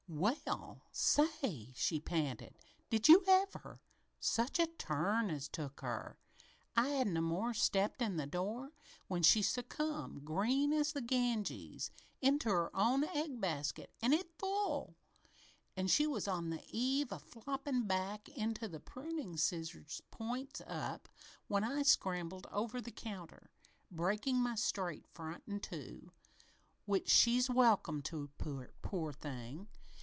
"Well, say!" she panted. "Did you ever! Such a turn as took her! I hadn't no more 'n stepped in the door when she succumbed, green as the Ganges, into her own egg basket an' it full! An' she was on the eve o' floppin' back into the prunin' scizzor points up, when I scrambled over the counter, breakin' my straight front in two, which she's welcome to, poor thing!